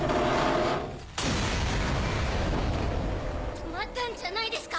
止まったんじゃないですか？